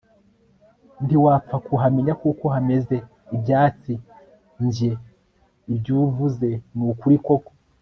ntiwapfa kuhamenya kuko hameze ibyatsiNjye ibyuvuze nukuri koko